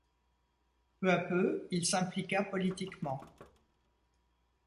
Peu à peu, il s'impliqua politiquement.